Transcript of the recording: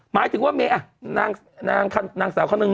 หมายถึงว่านางสาวเค้านึง